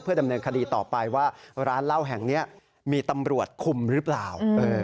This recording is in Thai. ดำเนินคดีต่อไปว่าร้านเหล้าแห่งนี้มีตำรวจคุมหรือเปล่า